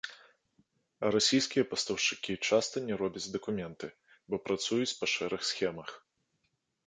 А расійскія пастаўшчыкі часта не робяць дакументы, бо працуюць па шэрых схемах.